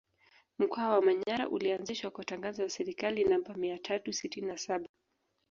Mkoa wa Manyara ulianzishwa kwa tangazo la Serikali namba mia tatu sitini na saba